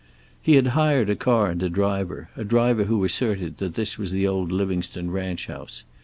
He had hired a car and a driver, a driver who asserted that this was the old Livingstone ranch house.